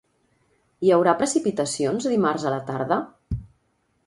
Hi haurà precipitacions dimarts a la tarda?